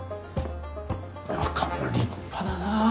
中も立派だな。